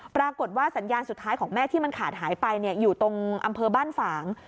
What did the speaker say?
ปรากฏว่าสัญญาณสุดท้ายของแม่ที่มันขาดหายไปอยู่ตรงอำเภอบ้านฝาง